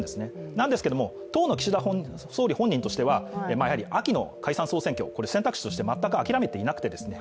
なんですが、当の岸田総理の本人としては秋の解散総選挙、選択肢として全く諦めていなくてですね